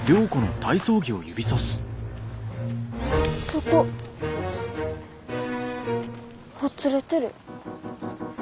そこほつれてる。